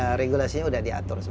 sudah regulasinya sudah diatur semua